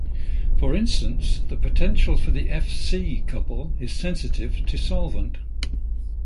For instance, the potential for the Fc couple is sensitive to solvent.